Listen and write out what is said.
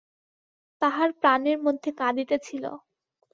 তাহার প্রাণের মধ্যে কাঁদিতেছিল।